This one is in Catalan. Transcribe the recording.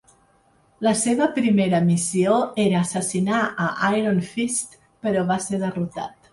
La seva primera missió era assassinar a Iron Fist, però va ser derrotat.